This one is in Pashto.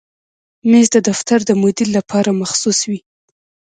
مېز د دفتر د مدیر لپاره مخصوص وي.